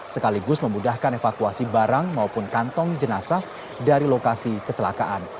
sekaligus memudahkan evakuasi barang maupun kantong jenazah dari lokasi kecelakaan